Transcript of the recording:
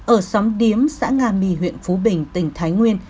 ở xóm điếm xã nga mì huyện phú bình tỉnh thái nguyên